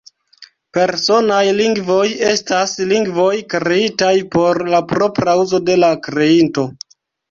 Personaj lingvoj estas lingvoj kreitaj por la propra uzo de la kreinto.